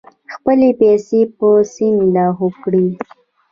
خپلې پیسې په سیند لاهو کړې.